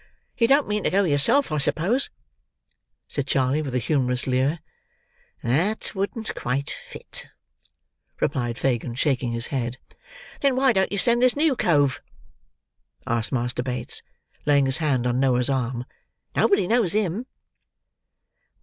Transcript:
"You don't mean to go yourself, I suppose?" said Charley with a humorous leer. "That wouldn't quite fit," replied Fagin shaking his head. "Then why don't you send this new cove?" asked Master Bates, laying his hand on Noah's arm. "Nobody knows him."